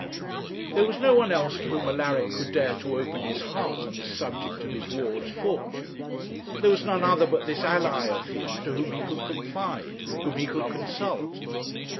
There was no one else to whom Alaric could dare to open his heart on this subject of his ward's fortune; there was none other but this ally of his to whom he could confide, whom he could consult.